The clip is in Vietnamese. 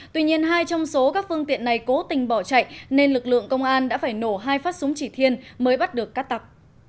tuy nhiên hai trong số các phương tiện này cố tình bỏ chạy nên lực lượng công an đã phải nổ hai phát súng chỉ thiên mới bắt được cắt tặc